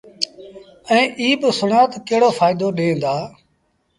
ائيٚݩ ايٚ با سُڻآ تا ڪهڙو ڦآئيدو ڏيݩ دآ۔